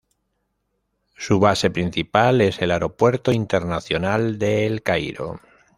Su base principal es el Aeropuerto Internacional de El Cairo.